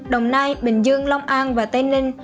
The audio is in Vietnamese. đồng nai bình dương long an và tây ninh